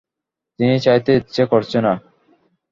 চিনি চাইতে ইচ্ছা করছে না।